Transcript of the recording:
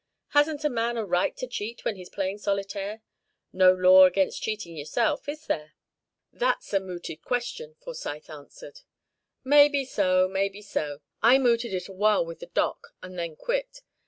Hasn't a man a right to cheat when he's playing solitaire? No law against cheating yourself, is there?" "That's a mooted question," Forsyth answered. "Maybe so, maybe so. I mooted it awhile with the Doc, and then quit.